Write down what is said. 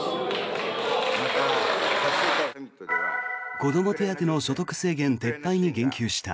子ども手当の所得制限撤廃に言及した。